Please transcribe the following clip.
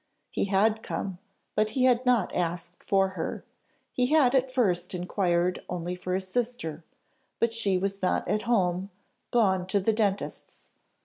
He had come, but he had not asked for her; he had at first inquired only for his sister, but she was not at home, gone to the dentist's.